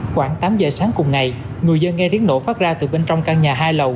khoảng tám giờ sáng cùng ngày người dân nghe tiếng nổ phát ra từ bên trong căn nhà hai lầu